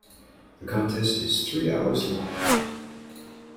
The contest is three hours long.